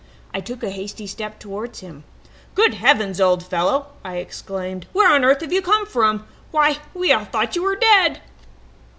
I took a hasty step towards him. "'Good heavens, old fellow!' I exclaimed. 'Where on earth have you come from? Why, we all thought you were dead!'